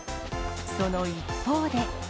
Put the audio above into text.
その一方で。